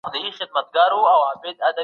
د پښتو ادب ساتنه په مینه وکړه.